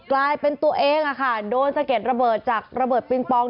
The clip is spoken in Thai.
กลายเป็นตัวเองโดนสะเก็ดระเบิดจากระเบิดปิงปอง